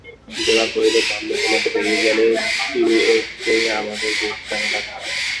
গোরা কহিল, ব্রাহ্মসমাজে বেরিয়ে গেলে তিনি এর চেয়ে আমাদের বেশি কাছে থাকতেন।